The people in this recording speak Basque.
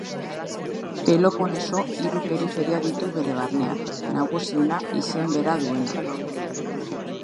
Peloponeso hiru periferia ditu bere barnean, nagusiena izen bera duena.